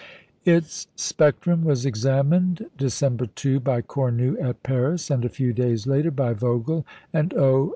Its spectrum was examined, December 2, by Cornu at Paris, and a few days later by Vogel and O.